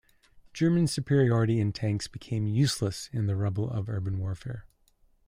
German superiority in tanks became useless in the rubble of urban warfare.